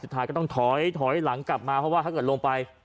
ก็ต้องถอยถอยหลังกลับมาเพราะว่าถ้าเกิดลงไป